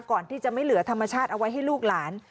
ก่อนที่จะไม่เหลือธรรมชาติเอาไว้ให้ลูกหลาน